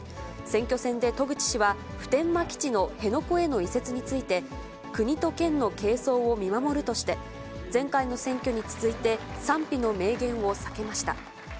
選挙戦で渡具知氏は、普天間基地の辺野古への移設について、国と県の係争を見守るとして、前回の選挙に続いて、賛否の明言を避けました。